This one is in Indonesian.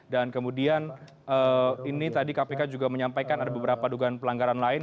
dan kemudian ini tadi kpk juga menyampaikan ada beberapa dugaan pelanggaran lain